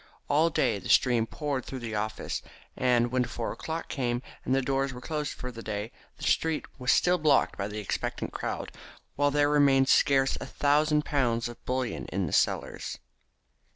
All day the stream poured through the office, and when four o'clock came, and the doors were closed for the day, the street without was still blocked by the expectant crowd, while there remained scarce a thousand pounds of bullion in the cellars.